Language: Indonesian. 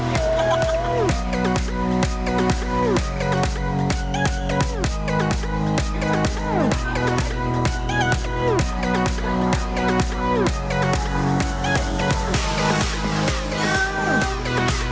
assalamualaikum wr wb